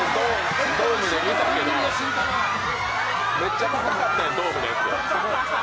ドームで見たけど、めっちゃ高かったやん、ドームのやつ。